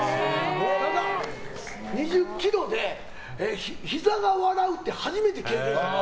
ただ、２０ｋｍでひざが笑うって初めて経験した。